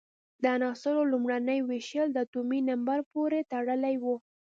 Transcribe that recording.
د عناصرو لومړنۍ وېشل د اتومي نمبر پورې تړلی وو.